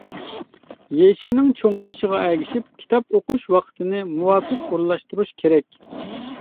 يېشىنىڭ چوڭىيىشىغا ئەگىشىپ، كىتاب ئوقۇش ۋاقتىنى مۇۋاپىق ئورۇنلاشتۇرۇش كېرەك.